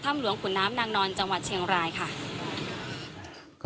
หลวงขุนน้ำนางนอนจังหวัดเชียงรายค่ะ